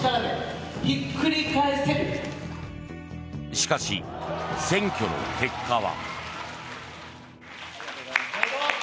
しかし、選挙の結果は。